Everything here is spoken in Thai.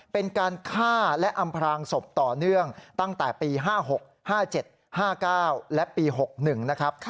เป็นการฆ่าและอำพรางศพต่อเนื่องตั้งแต่ปี๕๖๕๗๕๙และปี๖๑นะครับ